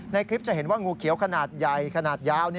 ในคลิปจะเห็นว่างูเขียวขนาดใหญ่ขนาดยาว